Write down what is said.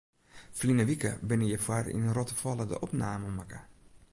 Ferline wike binne hjirfoar yn Rottefalle de opnamen makke.